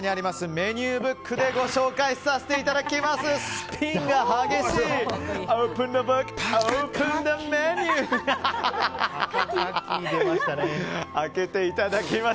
メニューブックでご紹介させていただきます。